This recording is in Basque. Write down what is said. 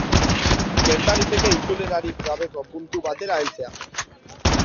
Gerta liteke itzulerarik gabeko puntu batera heltzea.